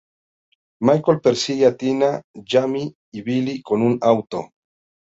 Michael persigue a Tina, Jamie y Billy con un auto.